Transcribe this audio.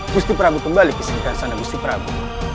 gusti prabu kembali ke sini dan sana gusti prabu